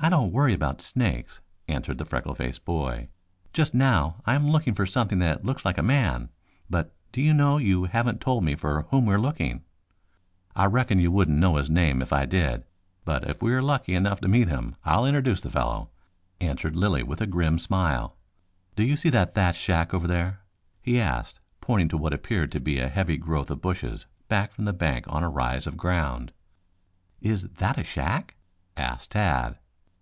"I don't worry about snakes," answered the freckle faced boy. "Just now I am looking for something that looks like a man. But, do you know, you haven't told me for whom we are looking." "I reckon you wouldn't know his name if I did, but if we are lucky enough to meet him, I'll introduce the fellow," answered Lilly with a grim smile. "Do you see that thatched shack over there?" he asked, pointing to what appeared to be a heavy growth of bushes back from the bank on a rise of ground. "Is that a shack?" asked Tad.